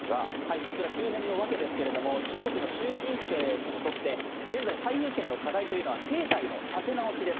こちら急変の訳ですけれども、中国の習近平氏にとって、現在、最優先の課題というのは経済の立て直しです。